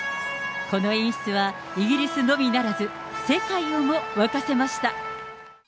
この演出はイギリスのみならず、世界をも沸かせました。